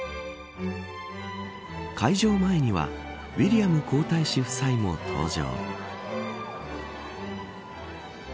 会場前にはウィリアム皇太子夫妻も登場。